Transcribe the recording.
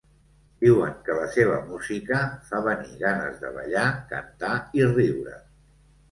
Diuen que la seva música fa venir ganes de ballar, cantar i riure.